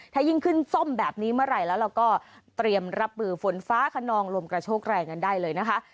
ถ้ายิ่งขึ้นส้มแบบนี้เมื่อไหร่แล้วเราก็เตรียมรับมือฝนฟ้าขนองลมกระโชกแรงกันได้เลยนะคะ